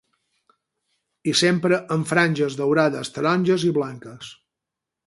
I sempre amb franges daurades, taronges i blanques.